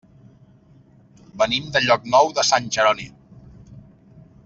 Venim de Llocnou de Sant Jeroni.